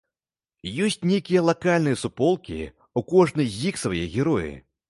Ёсць нейкія лакальныя суполкі, у кожнай з іх свае героі.